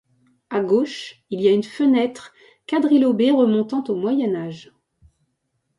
À gauche, il y a une fenêtre quadrilobée remontant au Moyen Âge.